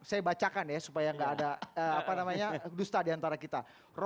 saya bacakan ya supaya gak ada dusta di antara kita